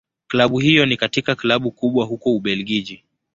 Klabu hiyo ni katika Klabu kubwa huko Ubelgiji.